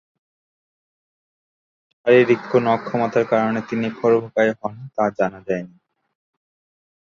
শারীরিক কোন অক্ষমতার কারণে তিনি খর্বকায় হন তা জানা যায়নি।